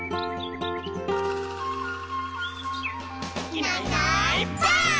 「いないいないばあっ！」